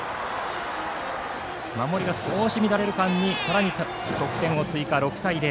守りが少し乱れる間にさらに得点を追加して６対０。